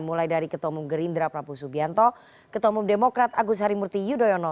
mulai dari ketua umum gerindra prabowo subianto ketua umum demokrat agus harimurti yudhoyono